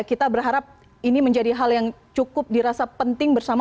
kita berharap ini menjadi hal yang cukup dirasa penting bersama